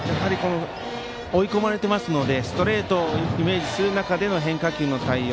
追い込まれていますのでストレートをイメージする中での変化球への対応